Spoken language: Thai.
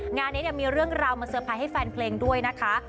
งานนี้มีเรื่องราวมาเตอร์ไพรส์ให้แฟนเพลงด้วยนะคะ